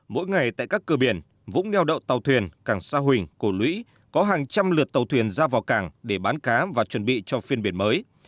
mỗi ngày tại các cửa biển vũng neo đậu tàu thuyền cảng sa huỳnh cổ lũy có hàng trăm lượt tàu thuyền ra vào cảng để bán cá và chuẩn bị cho phiên biển mới